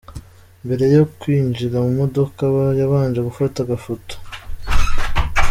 Mbere yo kwinjira mu mudoka yabanje gufata agafoto.